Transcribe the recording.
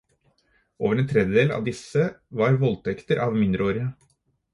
Over en tredel av disse var voldtekter av mindreårige.